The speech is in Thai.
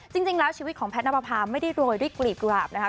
จริงแล้วชีวิตของแพทย์นับประพาไม่ได้โรยด้วยกลีบกราบนะคะ